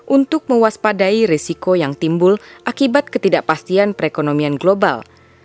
untuk mewaspadai resiko yang timbul akibat ketidakpastian perekonomian global